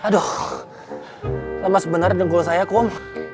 aduh lemas benar dengkul saya kum